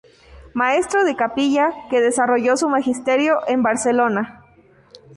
Maestro de capilla que desarrolló su magisterio en Barcelona.